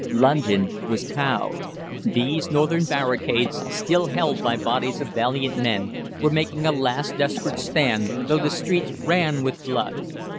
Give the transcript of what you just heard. London was cowed. These northern barricades, still held by bodies of valiant men, were making a last desperate stand, though the streets ran with blood.